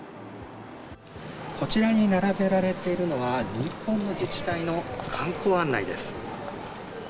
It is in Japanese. こちらに並べられているのは、日本の自治体の観光案内です。